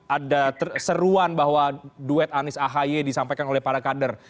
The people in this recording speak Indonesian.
ada seruan bahwa duet anies ahy disampaikan oleh para kader